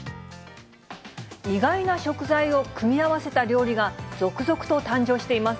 意外な食材を組み合わせた料理が、続々と誕生しています。